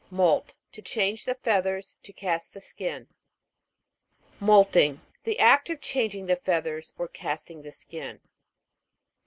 MOULT. To change the feathers ; to cast the skin. MOULT'ING. The act of chang ing the feathers or casting the skin.